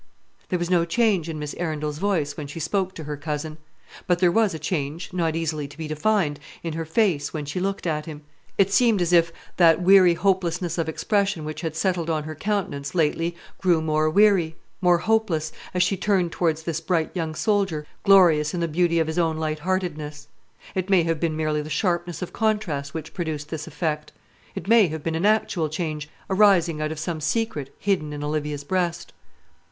There was no change in Miss Arundel's voice when she spoke to her cousin; but there was a change, not easily to be defined, in her face when she looked at him. It seemed as if that weary hopelessness of expression which had settled on her countenance lately grew more weary, more hopeless, as she turned towards this bright young soldier, glorious in the beauty of his own light heartedness. It may have been merely the sharpness of contrast which produced this effect. It may have been an actual change arising out of some secret hidden in Olivia's breast.